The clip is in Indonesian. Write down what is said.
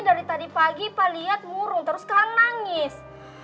dari tadi pagi iva lihat murung terus sekarang nangis